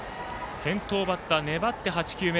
先頭バッター粘って８球目。